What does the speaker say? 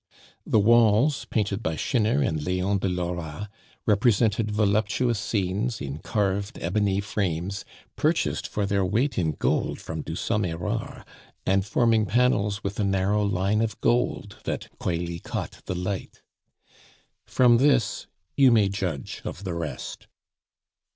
The walls, painted by Schinner and Leon de Lora, represented voluptuous scenes, in carved ebony frames, purchased for their weight in gold from Dusommerard, and forming panels with a narrow line of gold that coyly caught the light. From this you may judge of the rest.